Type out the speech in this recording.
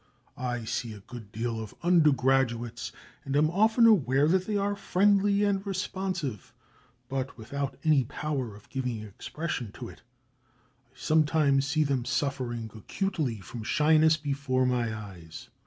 I see a good deal of undergraduates, and am often aware that they are friendly and responsive, but without any power of giving expression to it. I sometimes see them suffering acutely from shyness before my eyes.